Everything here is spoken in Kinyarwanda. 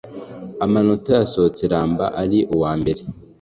amanota yasohotse Ramba ari uwa mbere